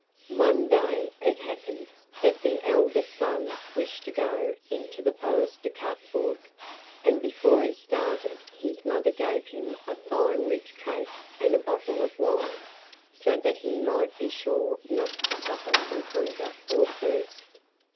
One day it happened that the eldest son wished to go into the forest to cut wood, and before he started his mother gave him a fine rich cake and a bottle of wine, so that he might be sure not to suffer from hunger or thirst.